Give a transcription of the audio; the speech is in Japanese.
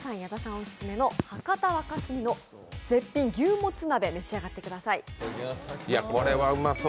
お薦めの博多若杉ほ絶品牛もつ鍋、召し上がってください。